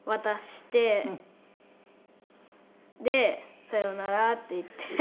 で「さようなら」って言って。